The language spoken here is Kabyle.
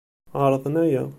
Ɛerḍen aya.